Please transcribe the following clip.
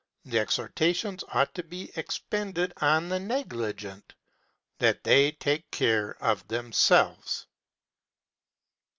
The exhortations ought to be expended on the negligent that they take care of themselves.